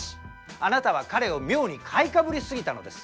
あなたは彼を妙に買いかぶりすぎたのです。